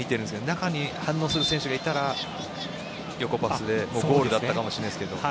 中に反応する選手がいたら横パスでゴールだったかもしれませんが。